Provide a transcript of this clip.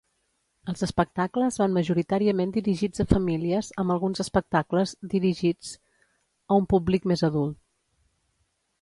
Els espectacles van majoritàriament dirigits a famílies, amb alguns espectacles dirigits a un públic més adult.